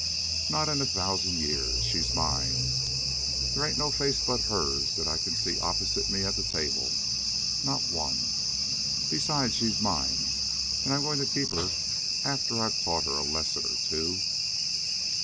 "Not in a thousand years! She's mine. They ain't no face but hers that I can see opposite to me at the table not one! Besides, she's mine, and I'm going to keep her after I've taught her a lesson or two!"